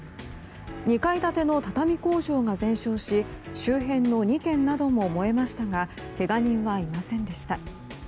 ２階建ての畳工場が全焼し周辺の２軒なども燃えましたがけが人はいませんでした。